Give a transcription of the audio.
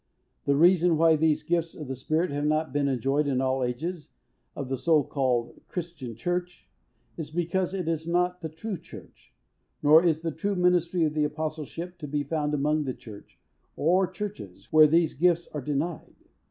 The reason why these gifts of the Spirit have not been enjoyed in all ages of the so called "Christian Church" is because it is not the true Church; nor, is the true ministry or Apostleship to be found among the Church, or Churches, where these gifts are denied.